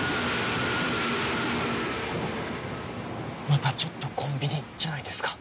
またちょっとコンビニじゃないですか？